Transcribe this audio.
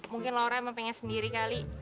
mungkin lora mau pengen sendiri kali